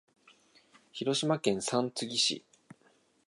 広島県三次市